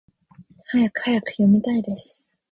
はやくはやく！読みたいです！